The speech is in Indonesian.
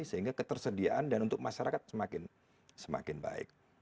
sehingga ketersediaan dan untuk masyarakat semakin baik